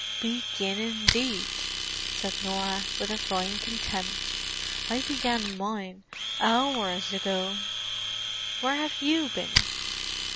"Begin, indeed!" said Norah, with a fine contempt. "I began mine hours ago. Where have you been?"